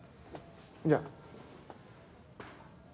じゃあ。